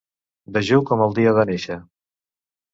Dejú com el dia de néixer.